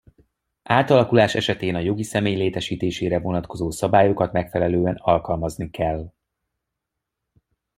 Átalakulás esetén a jogi személy létesítésére vonatkozó szabályokat megfelelően alkalmazni kell.